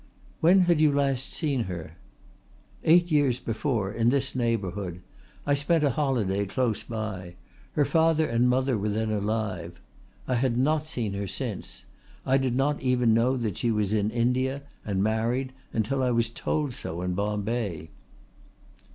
"When had you last seen her?" "Eight years before, in this neighbourhood. I spent a holiday close by. Her father and mother were then alive. I had not seen her since. I did not even know that she was in India and married until I was told so in Bombay."